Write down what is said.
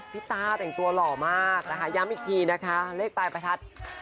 ต้าแต่งตัวหล่อมากนะคะย้ำอีกทีนะคะเลขปลายประทัด